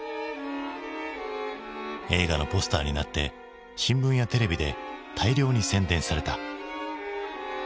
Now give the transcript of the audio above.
映画のポスターになって新聞やテレビで大量に宣伝された。